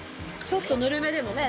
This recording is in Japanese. ちょっとぬるめでもね